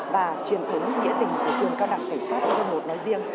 và truyền thống nghĩa tình của trường cao đẳng cảnh sát nhân dân một nói riêng